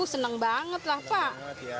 uh seneng banget lah pak